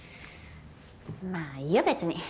まあいいよ別に。